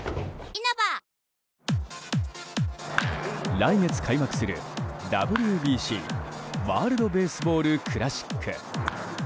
来月開幕するＷＢＣ・ワールド・ベースボール・クラシック。